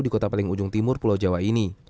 di kota paling ujung timur pulau jawa ini